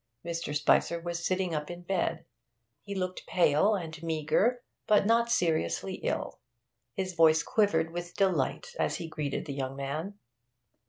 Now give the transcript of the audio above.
Mr. Spicer was sitting up in bed; he looked pale and meagre, but not seriously ill; his voice quivered with delight as he greeted the young man.